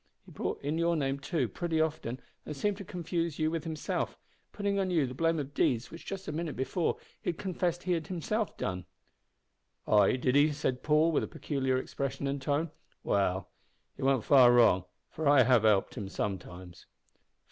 He brought in your name, too, pretty often, and seemed to confuse you with himself, putting on you the blame of deeds which just a minute before he had confessed he had himself done." "Ay, did he?" said Paul, with a peculiar expression and tone. "Well, he warn't far wrong, for I have helped him sometimes."